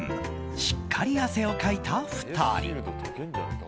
しっかり汗をかいた２人。